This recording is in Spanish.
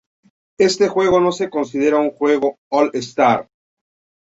Este juego no se considera un juego All-star.